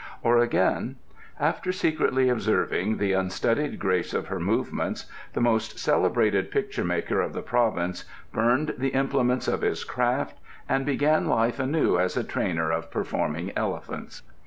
Or again: "After secretly observing the unstudied grace of her movements, the most celebrated picture maker of the province burned the implements of his craft, and began life anew as a trainer of performing elephants."